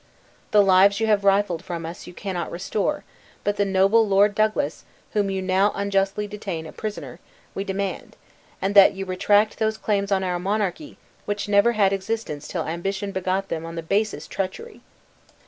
The lives you have rifled from us you cannot restore, but the noble Lord Douglas, whom you now unjustly detain a prisoner, we demand; and that you retract those claims on our monarchy, which never had existence till ambition begot them on the basest treachery.